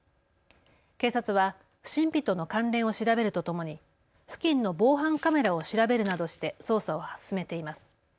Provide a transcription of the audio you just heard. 警察は不審火との関連を調べるとともに付近の防犯カメラを調べるなどして捜査を進めています。